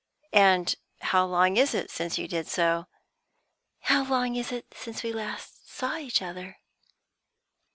"And how long is it since you did so?" "How long is it since we last saw each other?"